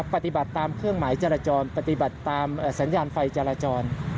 ปฏิบัติตามเครื่องหมายจราจรปฏิบัติตามสัญญาณไฟจราจร